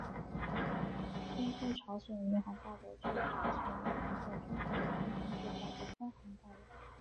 天津朝鲜银行大楼是朝鲜银行在中国天津建造的分行大楼。